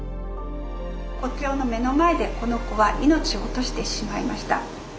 国境の目の前でこの子は命を落としてしまいました。